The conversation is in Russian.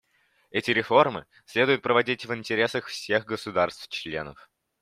Эти реформы следует проводить в интересах всех государств-членов.